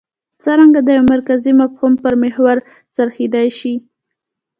څرنګه د یوه مرکزي مفهوم پر محور څرخېدای شي.